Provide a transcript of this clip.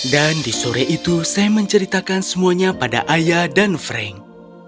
dan di sore itu sam menceritakan semuanya pada ayah dan frank